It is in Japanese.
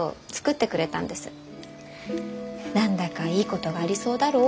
「何だかいいことがありそうだろう？」